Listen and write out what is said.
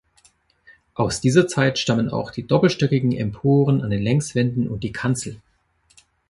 Aus dieser Zeit stammen auch die doppelstöckigen Emporen an den Längswänden und die Kanzel.